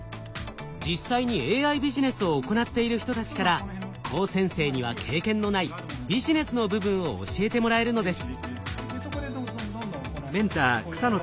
実際にＡＩビジネスを行っている人たちから高専生には経験のないビジネスの部分を教えてもらえるのです。